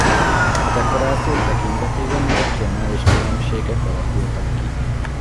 A dekoráció tekintetében regionális különbségek alakultak ki.